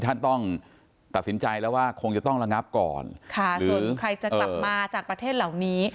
ท่านต้องตัดสินใจแล้วว่าคงจะต้องระงับก่อนค่ะส่วนใครจะกลับมาจากประเทศเหล่านี้